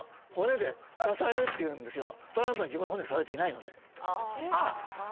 トランポリンは自分の骨で支えていないので。